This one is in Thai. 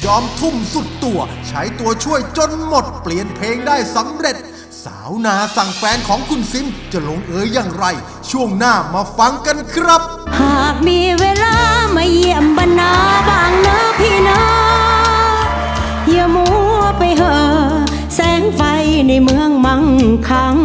อย่ามัวไปเหอะแสงไฟในเมืองมั่งคัง